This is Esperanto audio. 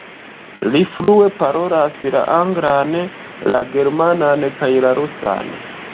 Li flue parolas la anglan, la germanan kaj la rusan.